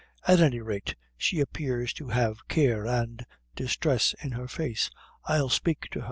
At any rate, she appears to have care and distress in her face; I'll spake to her."